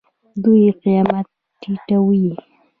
دوی قیمت ټیټوي.